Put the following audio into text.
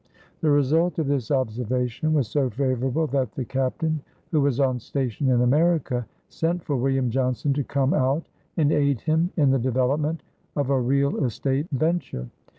The result of this observation was so favorable that the captain, who was on station in America, sent for William Johnson to come out and aid him in the development of a real estate venture.